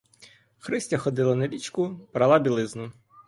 Христя ходила на річку, прала білизну.